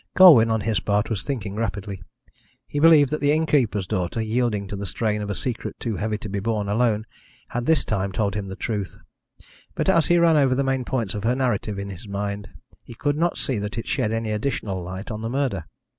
Colwyn, on his part, was thinking rapidly. He believed that the innkeeper's daughter, yielding to the strain of a secret too heavy to be borne alone, had this time told him the truth, but, as he ran over the main points of her narrative in his mind, he could not see that it shed any additional light on the murder.